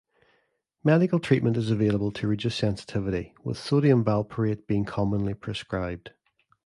Medical treatment is available to reduce sensitivity, with sodium valproate being commonly prescribed.